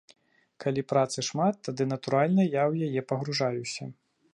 Калі працы шмат, тады, натуральна, я ў яе пагружаюся.